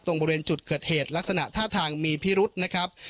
บริเวณจุดเกิดเหตุลักษณะท่าทางมีพิรุษนะครับ